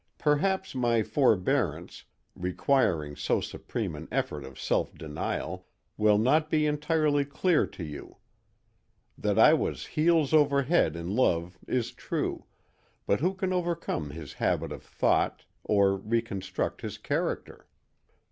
Perhaps my forbearance, requiring so supreme an effort of self denial, will not be entirely clear to you. That I was heels over head in love is true, but who can overcome his habit of thought, or reconstruct his character?